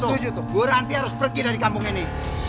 setuju tuh bu ranti harus pergi dari kampung ini